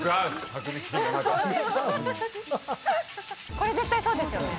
これ絶対そうですよね。